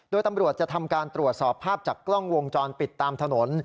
โดยตำรวจจะทำการตรวจสอบภาพจากกล้องวงจรปิดตามถนน